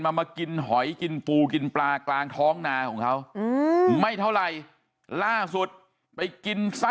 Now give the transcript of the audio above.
มามากินหอยกินปูกินปลากลางท้องนาของเขาไม่เท่าไหร่ล่าสุดไปกินซะ